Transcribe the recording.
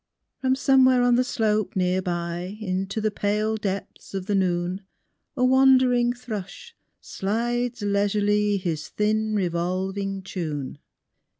From somewhere on the slope near by Into the pale depths of the noon A wandering thrush slides leisurely His thin revolving tune.